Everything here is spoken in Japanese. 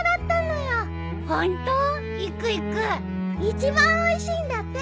一番おいしいんだって。